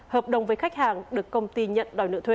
hợp đồng với khách hàng được công ty nhận